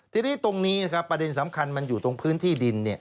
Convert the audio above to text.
ทีนี้ตรงนี้นะครับประเด็นสำคัญมันอยู่ตรงพื้นที่ดิน